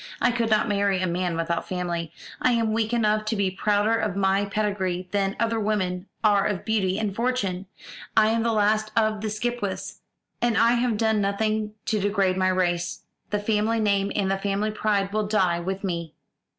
I could not marry a man without family. I am weak enough to be prouder of my pedigree than other women are of beauty and fortune. I am the last of the Skipwiths, and I have done nothing to degrade my race. The family name and the family pride will die with me.